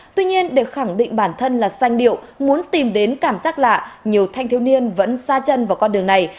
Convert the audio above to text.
tuy nhiên để khẳng định bản thân là sanh điệu muốn tìm đến cảm giác lạ nhiều thanh thiếu niên vẫn xa chân vào con đường này